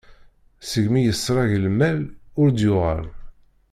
Segmi yesreg lmal, ur d-yuɣal.